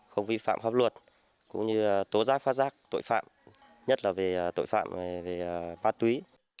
không vi phạm pháp luật cũng như tố giác phát giác tội phạm nhất là về tội phạm về ma túy